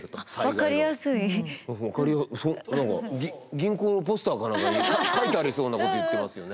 銀行のポスターかなんかに書いてありそうなこと言ってますよね。